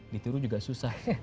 ditiru juga susah